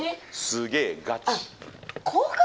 すげガチ。